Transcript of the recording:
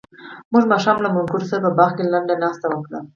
موږ ماښام له ملګرو سره په باغ کې لنډه ناسته وکړه.